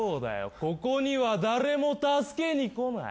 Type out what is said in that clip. ここには誰も助けに来ねえ。